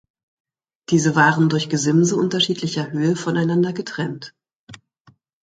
Diese waren durch Gesimse unterschiedlicher Höhe voneinander getrennt.